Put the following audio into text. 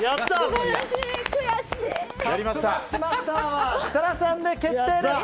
カップマッチマスターは設楽さんで決定です。